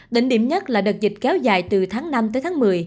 đỉnh điểm nhất là đợt dịch kéo dài từ tháng năm tới tháng một mươi